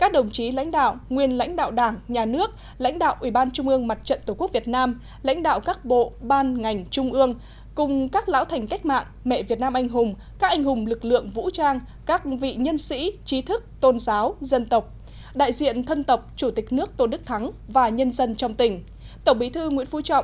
tổng bí thư nguyễn phú trọng thủ tướng nguyễn xuân phúc gửi lãng hòa chúc mừng